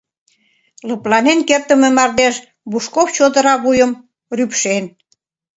Лыпланен кертдыме мардеж Бушков чодыра вуйым рӱпшен.